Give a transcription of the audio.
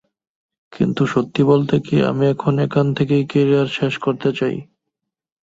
কিন্তু সত্যি বলতে কি, আমি এখন এখানে থেকেই ক্যারিয়ার শেষ করতে চাই।